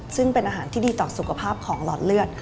ซึ่งเป็นอาหารที่ดีต่อสุขภาพของหลอดเลือด